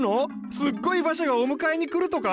すっごい馬車がお迎えに来るとか？